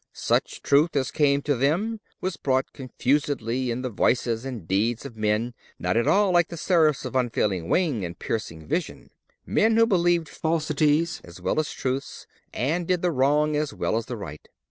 Such truth as came to them was brought confusedly in the voices and deeds of men not at all like the seraphs of unfailing wing and piercing vision—men who believed falsities as well as truths, and did the wrong as well as the right.